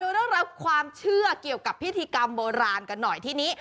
เรื่องราวความเชื่อเกี่ยวกับพิธีกรรมโบราณกันหน่อยที่นี้